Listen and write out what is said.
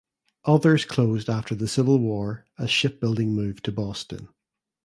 Others closed after the Civil War as shipbuilding moved to Boston.